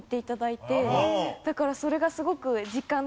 だからそれがすごく。